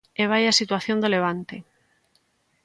E vaia situación do Levante.